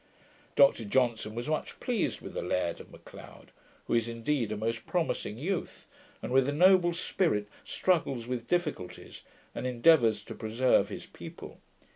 Dr Johnson was much pleased with the Laird of Macleod, who is indeed a most promising youth, and with a noble spirit struggles with difficulties, and endeavours to preserve his people.